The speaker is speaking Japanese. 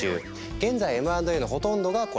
現在Ｍ＆Ａのほとんどがこれ。